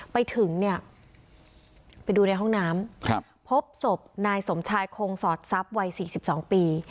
ไปถึงเนี่ยไปดูในห้องน้ำพบศพนายสมชายคงสอดทรัพย์วัย๔๒ปี